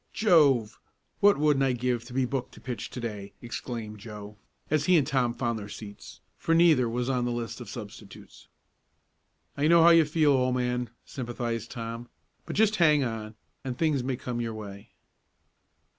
"Jove! What wouldn't I give to be booked to pitch to day!" exclaimed Joe, as he and Tom found their seats, for neither was on the list of substitutes. "I know how you feel, old man," sympathized Tom. "But just hang on, and things may come your way."